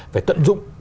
phải tận dụng